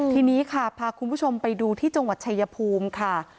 ทีนี้ค่ะพาคุณผู้ชมไปดูที่จังหวัดชายภูมิค่ะ